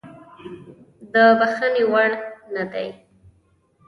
د بخښنې وړ نه دی.